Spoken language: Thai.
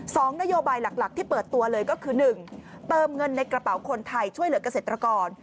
สองนโยบายหลักที่เปิดตัวเลยก็คือหนึ่งเติมเงินในกระเป๋าคนไทยช่วยเหลือกเกษตรกร